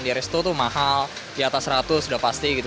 di resto tuh mahal di atas seratus sudah pasti gitu